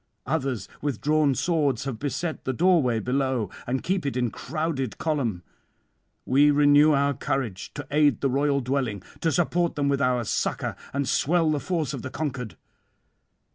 Others with drawn swords have beset the doorway below and keep it in crowded column. We renew our courage, to aid the royal dwelling, to support them with our succour, and swell the force of the conquered.